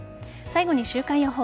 最後に週間予報。